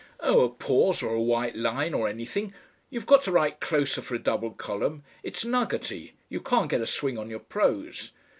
"Oh! a pause or a white line or anything. You've got to write closer for a double column. It's nuggetty. You can't get a swing on your prose."